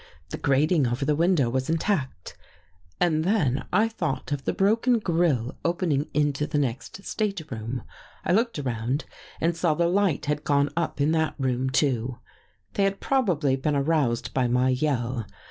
The grating over the window was intact. And then I thought of the broken grille opening into the next stateroom. I looked around and saw the light had gone up in that room, too. They had probably been aroused by my yell.